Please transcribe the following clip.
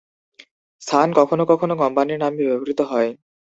সান কখনও কখনও কোম্পানির নামে ব্যবহৃত হয়।